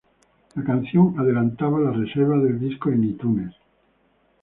La canción adelantaba la reserva del disco en "iTunes".